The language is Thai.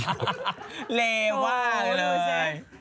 เลว่าเลย